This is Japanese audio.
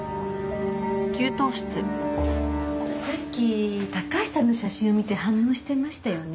さっき高橋さんの写真を見て反応してましたよね。